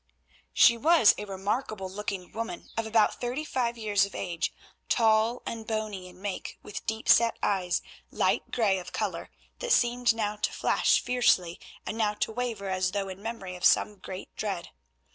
She was a remarkable looking woman of about thirty five years of age, tall and bony in make, with deep set eyes, light grey of colour, that seemed now to flash fiercely and now to waver, as though in memory of some great dread.